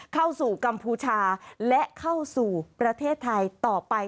เข้าสู่กัมพูชาและเข้าสู่ประเทศไทยต่อไป